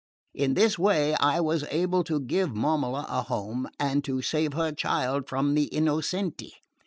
In this way I was able to give Momola a home, and to save her child from the Innocenti.